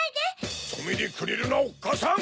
とめてくれるなおっかさん！